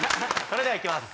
それでは行きます。